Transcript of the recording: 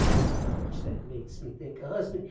How much that makes me think o' husband!